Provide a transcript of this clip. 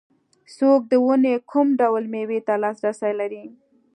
څوک د ونې کوم ډول مېوې ته لاسرسی لري.